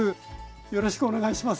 よろしくお願いします。